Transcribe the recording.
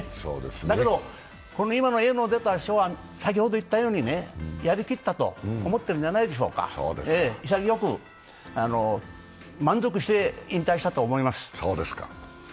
だけど、今の画の出た人は、やりきったと思っているんじゃないでしょうか、潔く、満足して引退したと思います。